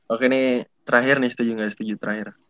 oke ini terakhir nih setuju nggak setuju terakhir